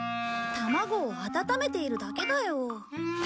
卵を温めているだけだよ。